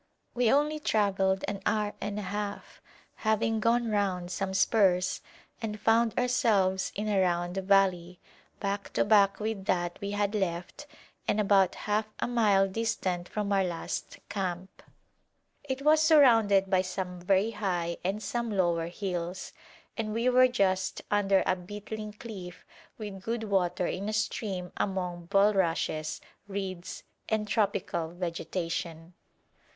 We only travelled an hour and a half, having gone round some spurs and found ourselves in a round valley, back to back with that we had left, and about half a mile distant from our last camp. It was surrounded by some very high and some lower hills, and we were just under a beetling cliff with good water in a stream among bulrushes, reeds, and tropical vegetation.